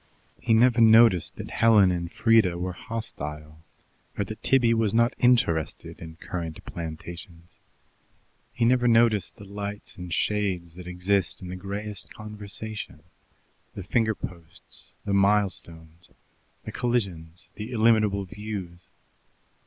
He never noticed that Helen and Frieda were hostile, or that Tibby was not interested in currant plantations; he never noticed the lights and shades that exist in the grayest conversation, the finger posts, the milestones, the collisions, the illimitable views.